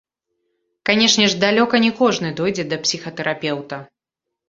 Канечне ж, далёка не кожны дойдзе да псіхатэрапеўта.